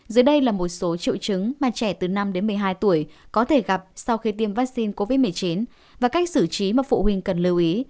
dưới đây là một số triệu chứng mà trẻ từ năm đến một mươi hai tuổi có thể gặp sau khi tiêm vaccine covid một mươi chín và cách xử trí mà phụ huynh cần lưu ý